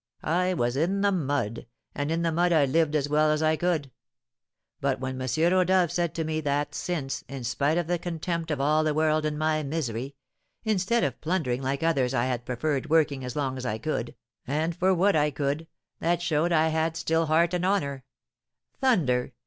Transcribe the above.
I was in the mud, and in the mud I lived as well as I could. But when M. Rodolph said to me that since, in spite of the contempt of all the world and my misery, instead of plundering like others I had preferred working as long as I could, and for what I could, that showed I had still heart and honour thunder!